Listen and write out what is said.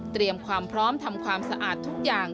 ความพร้อมทำความสะอาดทุกอย่าง